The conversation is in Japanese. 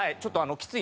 きつい？